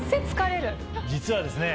実はですね